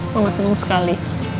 mama senang sekali